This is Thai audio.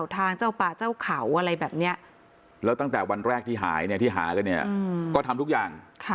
ตั้งแต่วันแรกที่หายที่หาก็เนี่ยก็ทำทุกอย่าง